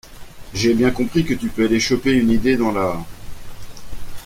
J’ai bien compris que tu peux aller choper une idée dans la…